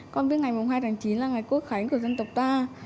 con biết ngày mùng hai tháng chín là ngày quốc khánh của dân tộc ta